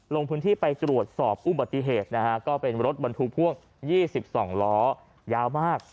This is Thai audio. ลงพื้นที่ไปตรวจสอบอุบัติเหตุนะฮะก็เป็นรถบรรทุกพ่วง๒๒ล้อยาวมาก